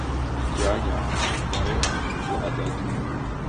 Jā. Jā. Vajag tik uzlādēt.